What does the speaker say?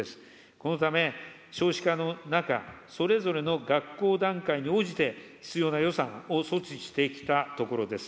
このため、少子化の中、それぞれの学校段階に応じて、必要な予算を措置してきたところです。